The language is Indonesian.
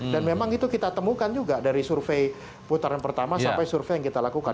dan memang itu kita temukan juga dari survei putaran pertama sampai survei yang kita lakukan